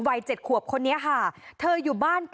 วัย๗ขวบคนนี้ค่ะเธออยู่บ้าน